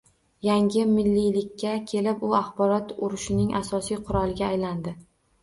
Yangi mingyillikka kelib u axborot urushining asosiy quroliga aylandi